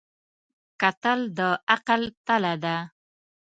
کتل د عقل تله ده